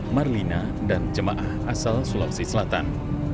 marlina dan jemaah asal sulawesi selatan